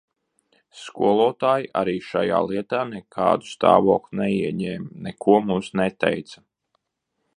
Skolotāji arī šajā lietā nekādu stāvokli neieņēma, neko mums neteica.